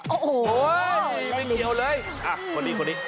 โอ้โหเล่นลิ้น